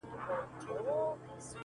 • ته وایه و تیارو لره ډېوې لرې که نه,